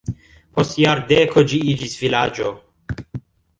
Post jardeko ĝi iĝis vilaĝo.